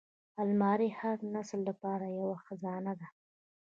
الماري د هر نسل لپاره یوه خزانه ده